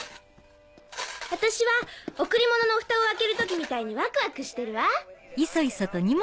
私は贈り物のフタを開ける時みたいにワクワクしてるわ。